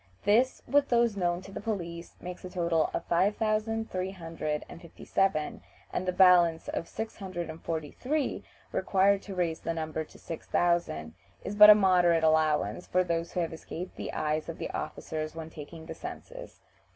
This, with those known to the police, makes a total of 5357, and the balance of six hundred and forty three (643), required to raise the number to six thousand (6000), is but a moderate allowance for those who have escaped the eyes of the officers when taking the census.